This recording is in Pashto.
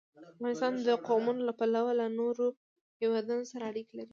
افغانستان د قومونه له پلوه له نورو هېوادونو سره اړیکې لري.